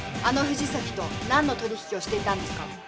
あの藤崎と何の取引をしていたんですか？